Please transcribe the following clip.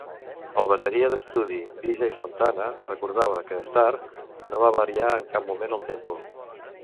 El bateria d'estudi, D. J. Fontana, recordava que Starr no va variar en cap moment el tempo.